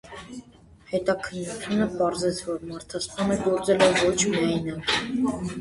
Հետաքննությունը պարզեց, որ մարդասպանը գործել է ոչ միայնակ։